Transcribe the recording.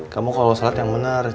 kamu kalau salat yang bener